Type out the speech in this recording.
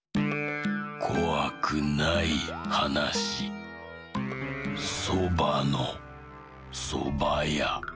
こわくないはなし「そばのそばや」。